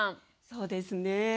そうですねえ。